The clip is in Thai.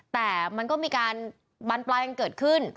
แต่มันก็มีการบรรปลายกันเกิดขึ้น